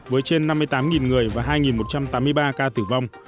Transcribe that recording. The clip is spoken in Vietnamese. với trên năm mươi tám người và hai một trăm tám mươi ba ca tử vong